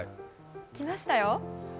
来ましたよ。